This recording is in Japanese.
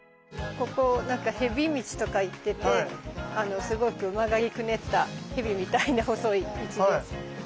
ここへび道とか言っててすごく曲がりくねったへびみたいな細い道で。